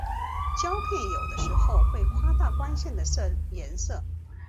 胶片有的时候会夸大光线的颜色。